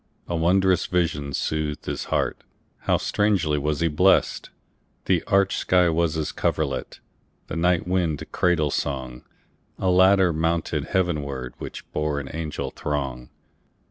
A wondrous vision soothed his heartHow strangely was he blessed! The arched sky was his coverlet, The night wind cradle song;A ladder mounted heavenwardWhich bore an angel throng.